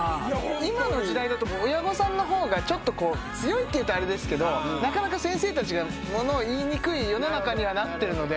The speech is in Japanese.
今の時代だと親御さんの方が強いと言うとあれですけど先生たちが物を言いにくい世の中にはなってるので。